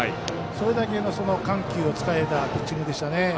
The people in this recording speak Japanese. それだけの緩急を使えたピッチングでしたね。